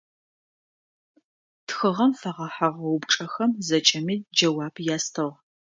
Тхыгъэм фэгъэхьыгъэ упчӏэхэм зэкӏэми джэуап ястыгъ.